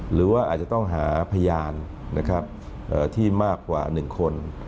หรือว่าอาจจะต้องหาพยานนะครับเอ่อที่มากกว่าหนึ่งคน